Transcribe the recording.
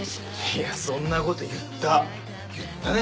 いやそんなこと言った言ったね